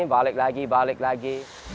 balik lagi balik lagi